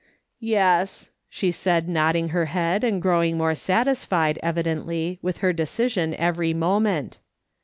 " Yes," she said, nodding her head and growing more satisfied evidently, with her decision every moment.